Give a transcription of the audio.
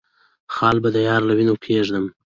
خال به د يار له وينو کېږدم